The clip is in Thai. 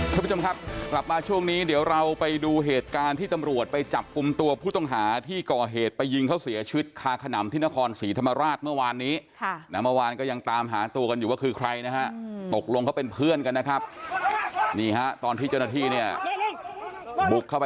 สวัสดีค่ะสวัสดีค่ะสวัสดีค่ะสวัสดีค่ะสวัสดีค่ะสวัสดีค่ะสวัสดีค่ะสวัสดีค่ะสวัสดีค่ะสวัสดีค่ะสวัสดีค่ะสวัสดีค่ะสวัสดีค่ะสวัสดีค่ะสวัสดีค่ะสวัสดีค่ะสวัสดีค่ะสวัสดีค่ะสวัสดีค่ะสวัสดีค่ะสวัสดีค่ะสวัสดีค่ะสวั